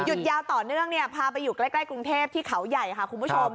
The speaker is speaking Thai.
ยาวต่อเนื่องเนี่ยพาไปอยู่ใกล้กรุงเทพที่เขาใหญ่ค่ะคุณผู้ชม